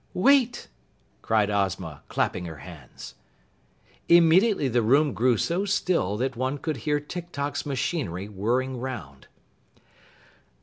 "Wait!" cried Ozma, clapping her hands. Immediately the room grew so still that one could hear Tik Tok's machinery whirring 'round.